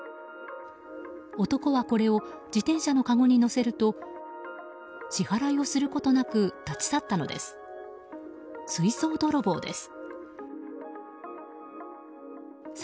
男はこれを自転車のかごに載せると支払いをすることなく立ち去ったのです。